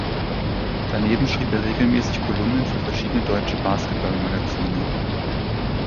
Daneben schrieb er regelmäßig Kolumnen für verschiedene deutsche Basketball-Magazine.